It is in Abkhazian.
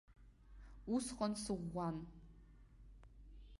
Усҟан сыӷәӷәан.